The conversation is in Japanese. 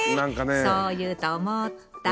そう言うと思った。